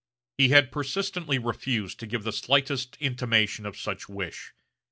He had persistently refused to give the slightest intimation of such wish.